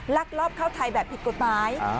ลักลอบเข้าไทยแบบผิดกฎหมาย